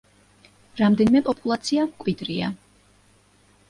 რამდენიმე პოპულაცია მკვიდრია.